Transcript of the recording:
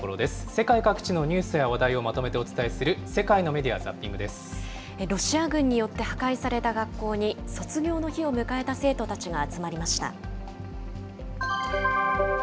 世界各地のニュースや話題をまとめてお伝えする、ロシア軍によって破壊された学校に、卒業の日を迎えた生徒たちが集まりました。